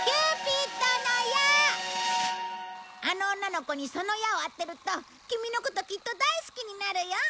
あの女の子にその矢を当てるとキミのこときっと大好きになるよ。